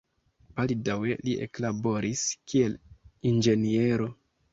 Baldaŭe li eklaboris, kiel inĝeniero.